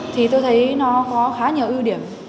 thì tôi thấy nó có khá nhiều ưu điểm